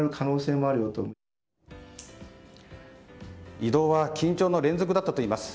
移動は緊張の連続だったといいます。